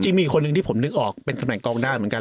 จริงมีอีกคนนึงที่ผมนึกออกเป็นสำหรับกองด้านเหมือนกัน